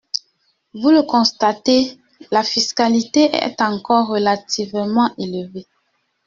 Vous le constatez, la fiscalité est encore relativement élevée.